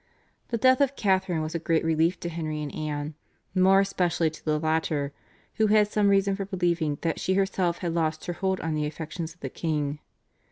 The death of Catharine was a great relief to Henry and Anne, more especially to the latter, who had some reason for believing that she herself had lost her hold on the affections of the king.